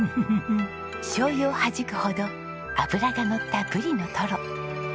しょうゆをはじくほど脂がのったブリのトロ。